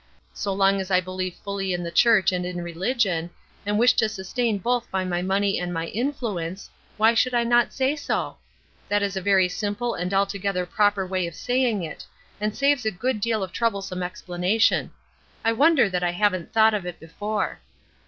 So long as I believe fully in the church and in religion, and wish to sustain both by my money and my influence, why should I not say so? That is a very simple and altogether proper way of saying it, and saves a good deal of troublesome explanation. I wonder that I haven't thought of it before.